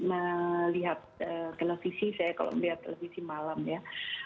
melihat televisi saya kalau melihat televisi malam ya